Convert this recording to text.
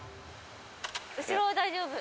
後ろ大丈夫。